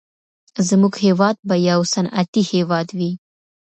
زموږ هېواد به يو صنعتي هېواد وي.